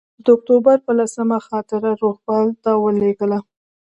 د اکتوبر پر لسمه خاطره روهیال ته ولېږله.